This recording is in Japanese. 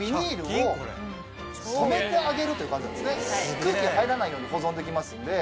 空気が入らないように保存できますんで。